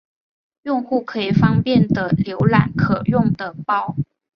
用户可以方便的浏览可用的包。